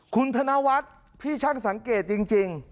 คุณธนวัฒน์พี่ช่างสังเกตจริง